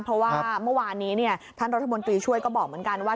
เพราะว่าเมื่อวานนี้ท่านรัฐมนตรีช่วยก็บอกเหมือนกันว่า